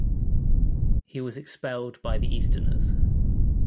He was expelled by the Easterners.